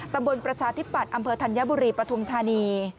ประชาธิปัตย์อำเภอธัญบุรีปฐุมธานี